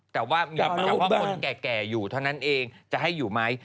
แต่ว่ามีเฉพาะคนแก่อยู่เท่านั้นเองจะให้อยู่ไหม